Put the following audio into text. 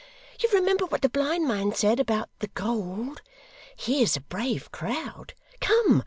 You remember what the blind man said, about the gold. Here's a brave crowd! Come!